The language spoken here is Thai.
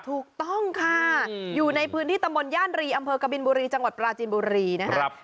ถูกต้องค่ะอยู่ในพื้นที่ตำบลย่านรีอำเภอกบินบุรีจังหวัดปราจีนบุรีนะครับ